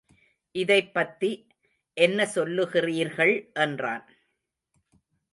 இதைப்பத்தி என்ன சொல்லுகிறீர்கள் என்றான்.